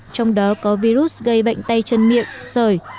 trong đó có virus gây bệnh tay chân miệng sởi